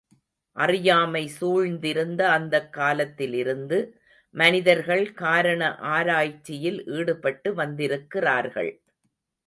அறியாமை சூழ்ந்திருந்த அந்தக் காலத்திலிருந்து மனிதர்கள் காரண ஆராய்ச்சியில் ஈடுபட்டு வந்திருக்கிறார்கள்.